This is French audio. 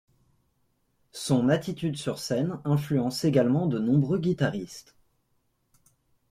Son attitude sur scène influence également de nombreux guitaristes.